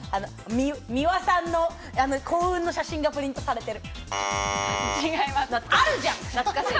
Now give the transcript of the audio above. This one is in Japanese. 美輪さんの幸運の写真がプリントされてる。